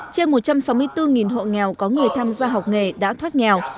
trên một trăm sáu mươi bốn hộ nghèo có người tham gia học nghề đã thoát nghèo